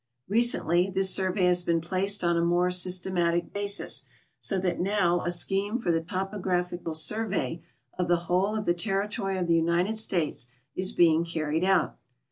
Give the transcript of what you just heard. Recently this survey has been placed on a more systematic basis, so that now a scheme for the topographical survey of the whole of the terri tory of the United States is being carried out.